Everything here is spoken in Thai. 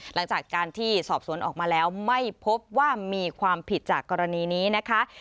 หลังจากการที่สอบสวนออกมาแล้วไม่พบว่ามีความผิดจากกรณีนี้นะคะ